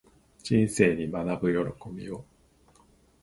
人生に学ぶ喜びを